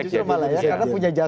karena dia punya jasa